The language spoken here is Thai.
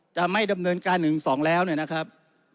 จะไม่ดำเนินการ๑๒แล้วเนี่ยนะครับ